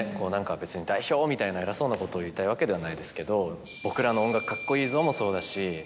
別に代表みたいな偉そうなことを言いたいわけではないですけど。もそうだし。